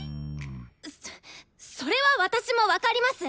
そっそれは私も分かります！